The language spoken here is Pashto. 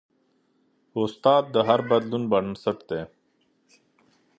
استاد د هر بدلون بنسټ دی.